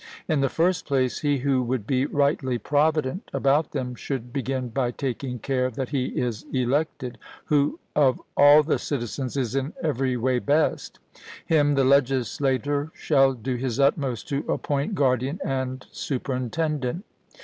In the first place, he who would be rightly provident about them, should begin by taking care that he is elected, who of all the citizens is in every way best; him the legislator shall do his utmost to appoint guardian and superintendent.